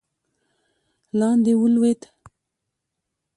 لاندې ولوېد.